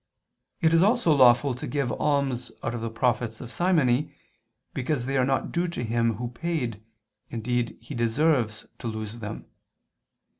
It is also lawful to give alms out of the profits of simony, because they are not due to him who paid, indeed he deserves to lose them.